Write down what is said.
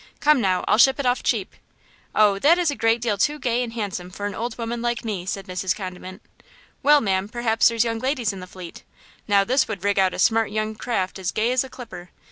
Come, now, I'll ship it off cheap–" "Oh, that is a great deal too gay and handsome for an old woman like me," said Mrs. Condiment. "Well, ma'am, perhaps there's young ladies in the fleet? Now, this would rig out a smart young craft as gay as a clipper!